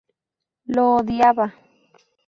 Lo odiaba.